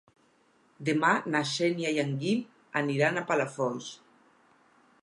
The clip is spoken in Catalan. Demà na Xènia i en Guim aniran a Palafolls.